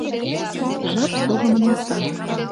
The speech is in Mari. Жап согымын эрта.